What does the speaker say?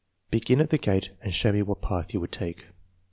Begin at the gate and show me what path you would take."